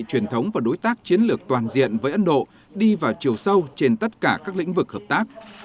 truyền thống và đối tác chiến lược toàn diện với ấn độ đi vào chiều sâu trên tất cả các lĩnh vực hợp tác